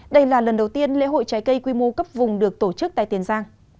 đây là lần đầu tiên lễ hội trái cây quy mô cấp vùng được tổ chức tại tiền giang